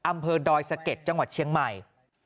อำเภอดอยสะเก็ดจังหวัดเชียงใหม่